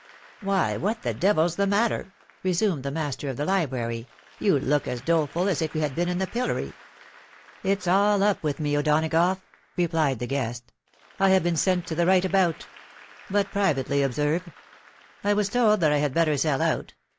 " Why, what the devil's the matter ?" resumed the master of the hbrary ;" you look as doleful as if you had been in the pUlory." " It's aU up with me, O'Donagough !" rephed the guest ;" I have been sent to the right about. But privately, observe. I was told that I had better sell out.